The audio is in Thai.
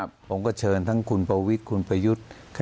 ผมก็เชิญทั้งคุณประวิทย์คุณประยุทธ์